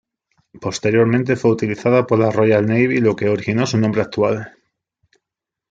Posteriormente fue utilizada por la Royal Navy lo que originó su nombre actual.